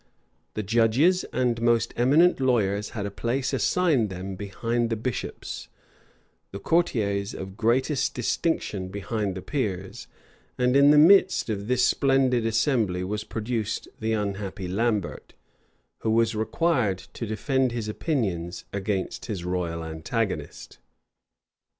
The judges and most eminent lawyers had a place assigned them behind the bishops; the courtiers of greatest distinction behind the peers; and in the midst of this splendid assembly was produced the unhappy Lambert, who was required to defend his opinions against his royal antagonist.